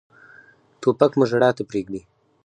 توپک مور ته ژړا پرېږدي.